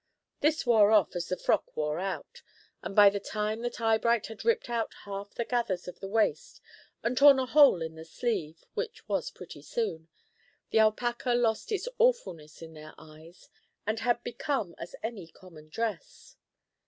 This wore off as the frock wore out, and by the time that Eyebright had ripped out half the gathers of the waist and torn a hole in the sleeve, which was pretty soon, the alpaca lost its awfulness in their eyes, and had become as any common dress.